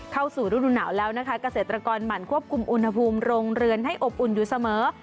เข้าสู่ฤดูหนาวแล้วนะคะเกษตรกรหมั่นควบคุมอุณหภูมิโรงเรือนให้อบอุ่นอยู่เสมอ